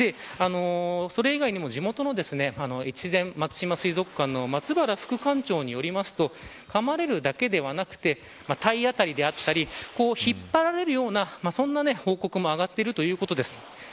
それ以外にも地元の越前松島水族館の松原副館長によりますとかまれるだけではなくて体当たりであったり引っ張られるようなそんな報告もあがっているということです。